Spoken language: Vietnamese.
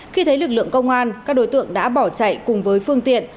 khi thấy lực lượng công an các đối tượng đã bỏ chạy cùng với phương tiện